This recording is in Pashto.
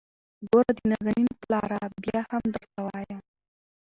ګوره د نازنين پلاره ! بيا هم درته وايم.